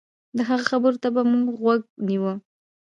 د هغه خبرو ته به مو غوږ نيوه.